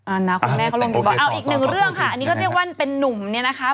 นะคุณแม่เขาลงไปบอกเอาอีกหนึ่งเรื่องค่ะอันนี้เขาเรียกว่าเป็นนุ่มเนี่ยนะคะ